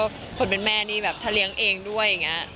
นับถือคนเป็นแม่มากเลยค่ะ